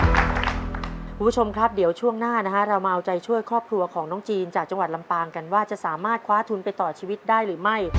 คุณผู้ชมครับเดี๋ยวช่วงหน้านะฮะเรามาเอาใจช่วยครอบครัวของน้องจีนจากจังหวัดลำปางกันว่าจะสามารถคว้าทุนไปต่อชีวิตได้หรือไม่